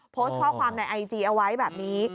โพสต์ข้อความในไอจีเอาไว้แบบนี้